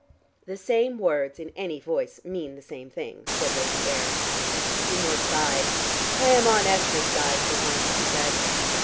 "The same words in any voice mean the same thing," said Lady Ayr. Seymour sighed. "I am on Esther's side for once," he said.